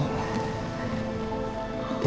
jadi kalian pernah ketemu